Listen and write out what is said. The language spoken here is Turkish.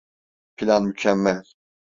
Plan mükemmel…